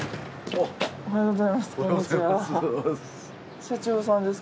おはようございます。